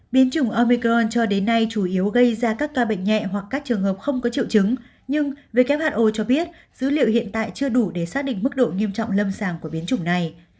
biến chủng omicron cho đến nay chủ yếu gây ra các ca bệnh nhẹ hoặc các trường hợp không có triệu chứng nhưng who cho biết dữ liệu hiện tại chưa đủ để xác định mức độ nghiêm trọng lâm sàng của biến chủng này